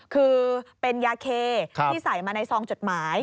คือเป็นยาเคที่ใส่มาในซองจดหมาย